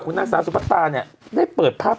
คุณหน้าสาวสุภาตาเนี่ยได้เปิดภาพ